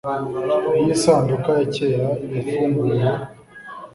Iyo isanduku ya kera yafunguwe